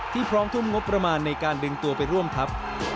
พร้อมทุ่มงบประมาณในการดึงตัวไปร่วมทัพ